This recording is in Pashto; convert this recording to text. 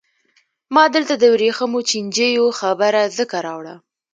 ما دلته د ورېښمو چینجیو خبره ځکه راوړه.